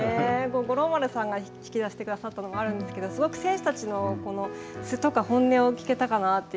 五郎丸さんが引き出してくださったのはあるんですけれども、すごく選手たちの素とか本音を聞けたかなと。